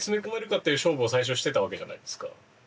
っていう勝負を最初してたわけじゃないですか。